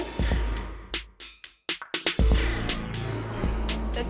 ketemu sama bella